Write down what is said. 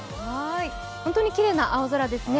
本当にきれいな青空ですね